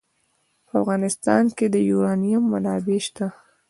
په افغانستان کې د یورانیم منابع شته.